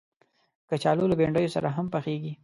کچالو له بنډیو سره هم پخېږي